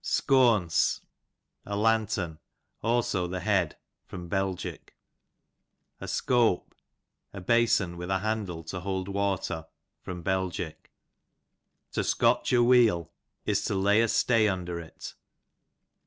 Scoance, a lantern; also the head. Bel. A Scope, a basin with a handle to hold water. Bel. To Scotch a Wheel, is to lay a stay under it.